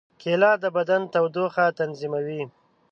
کېله د بدن تودوخه تنظیموي.